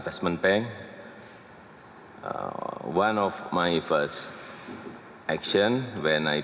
pembangunan investasi salah satu aksi pertama saya